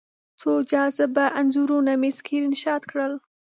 څو جذابه انځورونه مې سکرین شاټ کړل